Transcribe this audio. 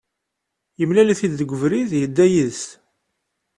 Yemlal-it-id deg ubrid, yedda yid-s.